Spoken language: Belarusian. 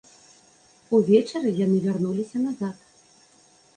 Увечары яны вярнуліся назад.